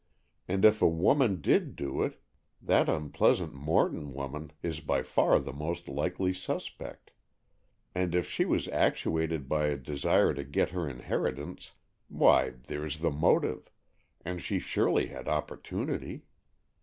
And if a woman did do it, that unpleasant Morton woman is by far the most likely suspect. And if she was actuated by a desire to get her inheritance, why, there's the motive, and she surely had opportunity.